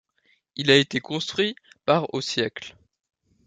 Il a été construit par au siècle.